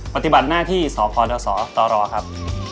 ปฏิบัติหน้าที่สคศตรครับ